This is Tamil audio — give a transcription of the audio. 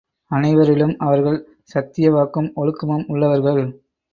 அனைவரிலும் அவர்கள் சத்திய வாக்கும், ஒழுக்கமும் உள்ளவர்கள்.